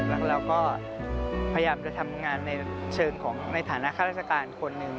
แล้วเราก็พยายามจะทำงานในเชิงของในฐานะข้าราชการคนหนึ่ง